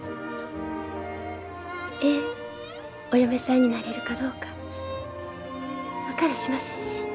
ええお嫁さんになれるかどうか分からしませんし。